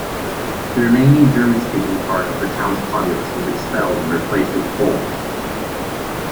The remaining German-speaking part of the town's populace was expelled and replaced with Poles.